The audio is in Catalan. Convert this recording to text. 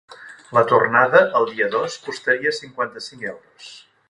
La tornada, el dia dos, costaria cinquanta-cinc euros.